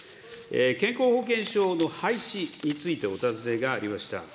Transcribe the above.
健康保険証の廃止についてお尋ねがありました。